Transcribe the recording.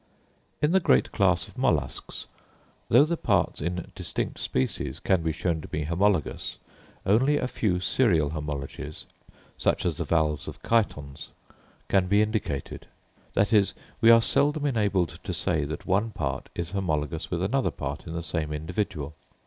In the great class of molluscs, though the parts in distinct species can be shown to be homologous, only a few serial homologies; such as the valves of Chitons, can be indicated; that is, we are seldom enabled to say that one part is homologous with another part in the same individual.